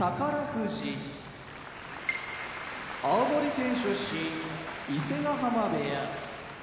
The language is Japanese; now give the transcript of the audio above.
富士青森県出身伊勢ヶ濱部屋